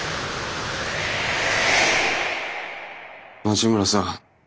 町村さん